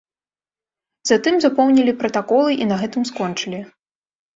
Затым запоўнілі пратаколы і на гэтым скончылі.